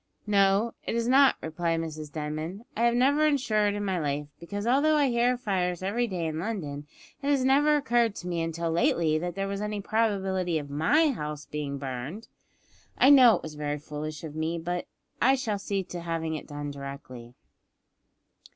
"No, it is not," replied Mrs Denman. "I have never insured in my life, because although I hear of fires every day in London, it has never occurred to me until lately that there was any probability of my house being burned. I know it was very foolish of me, but I shall see to having it done directly."